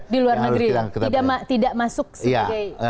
di luar negeri tidak masuk sebagai